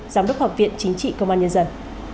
giám đốc học viện chính trị công an nhân dân